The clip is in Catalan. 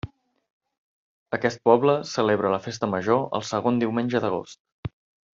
Aquest poble celebra la festa major el segon diumenge d'agost.